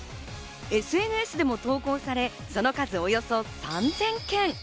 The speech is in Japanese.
ＳＮＳでも投稿され、その数およそ３０００件！